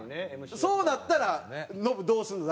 そうなったらノブどうするの？